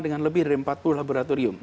dengan lebih dari empat puluh laboratorium